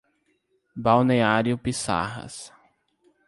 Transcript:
Balneário Piçarras